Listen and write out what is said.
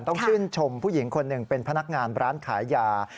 ต้องชื่นชมผู้หญิงคนหนึ่งเป็นพนักงานร้านขายยา